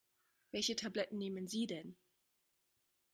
Welche Tabletten nehmen Sie denn?